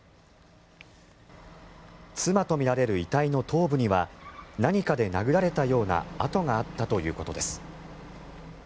妻とみられる遺体の頭部には何かで殴られたような痕があったということです。